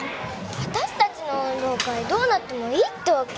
私達の運動会どうなってもいいってわけ？